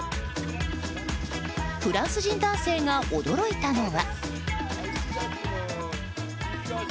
フランス人男性が驚いたのは。